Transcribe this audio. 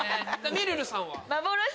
めるるさんは？